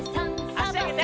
あしあげて。